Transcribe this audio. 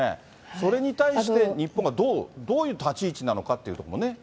それに対して日本はどういう立ち位置なのかということもね。